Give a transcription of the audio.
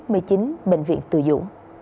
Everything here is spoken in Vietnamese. của bệnh viện từ dũ